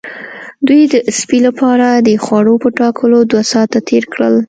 دوی د سپي لپاره د خوړو په ټاکلو دوه ساعته تیر کړل